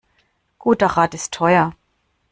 Guter Rat ist teuer.